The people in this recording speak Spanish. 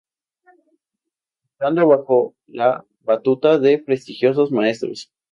Actuando bajo la batuta de prestigiosos maestros.